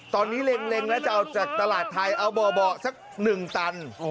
ตอนนี้เล็งแล้วจะเอาจากตลาดไทยเอาเบาะสัก๑ตัน